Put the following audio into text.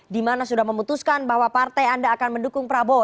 dimana sudah memutuskan bahwa partai anda akan mendukung prabowo